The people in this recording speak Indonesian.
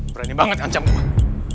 berani banget ngancam gue mak